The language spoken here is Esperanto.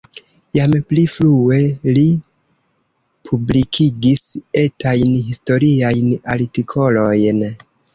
Jam pli frue li publikigis etajn historiajn artikolojn.